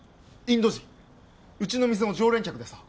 インド人うちの店の常連客でさ